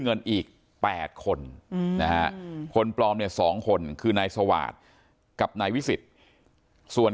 เงินอีก๘คนนะฮะคนปลอมเนี่ย๒คนคือนายสวาสตร์กับนายวิสิทธิ์ส่วน